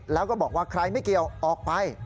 แล้วก็บอกว่าใครไม่เกี่ยวออกไป